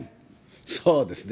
そうですね。